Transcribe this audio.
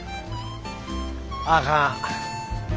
あかん。